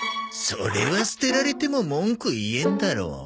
それは捨てられても文句言えんだろ。